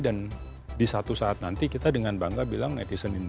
dan di satu saat nanti kita dengan bangga bilang netizen indonesia